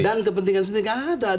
dan kepentingan sendiri tidak ada